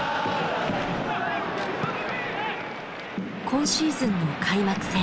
今シーズンの開幕戦。